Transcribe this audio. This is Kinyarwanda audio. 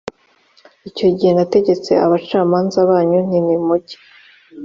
icyo gihe nategetse abacamanza banyu nti nimujya